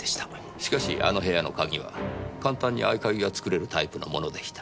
しかしあの部屋の鍵は簡単に合鍵が作れるタイプのものでした。